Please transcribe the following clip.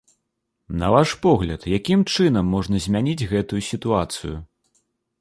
На ваш погляд, якім чынам можна змяніць гэтую сітуацыю?